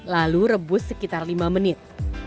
lalu rebus sekitar lima menit